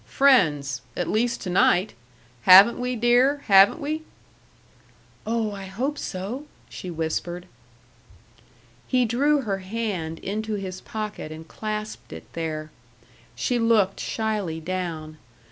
Friends at least to night! Haven't we, dear? haven't we?" "Oh, I hope so!" she whispered. He drew her hand into his pocket and clasped it there. She looked shyly down.